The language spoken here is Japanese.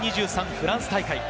フランス大会。